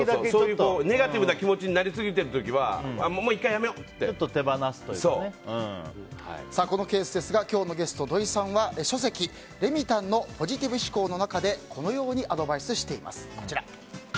ネガティブな気持ちになりすぎている時はこのケースですが今日のゲスト、土井さんは書籍「レミたんのポジティブ思考」の中でこのようにアドバイスしています。